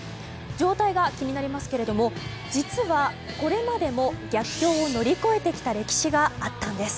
状態が気になりますけれども実は、これまでも逆境を乗り越えてきた歴史があったんです。